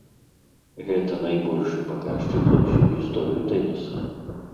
Гэтай найбольшы паказчык за ўсю гісторыю тэніса.